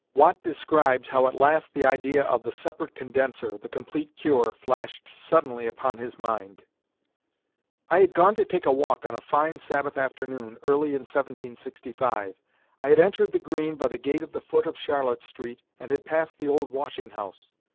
Watt describes how at last the idea of the "separate condenser," the complete cure, flashed suddenly upon his mind: I had gone to take a walk on a fine Sabbath afternoon, early in 1765. I had entered the green by the gate at the foot of Charlotte Street and had passed the old washing house.